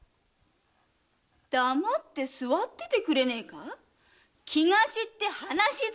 黙って座っててくれねえか⁉気が散って話しづらいんだよ‼